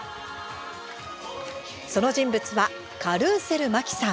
その人物は、カルーセル麻紀さん。